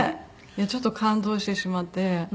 ちょっと感動してしまって。